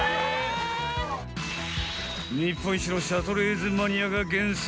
日本一のシャトレーゼマニアが厳選。